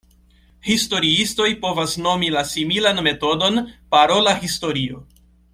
Historiistoj povas nomi la similan metodon parola historio.